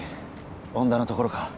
恩田のところか？